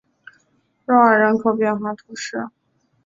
若尔人口变化图示